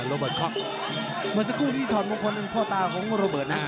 โรเบิร์ตค็อกเมื่อสักครู่นี้ถอดมงคลเป็นพ่อตาของโรเบิร์ตนะ